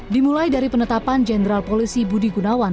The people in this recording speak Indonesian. dimulai dari penetapan jenderal polisi budi gunawan